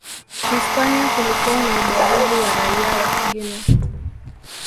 Hispania kulikuwa na ubaguzi wa raia wa kigeni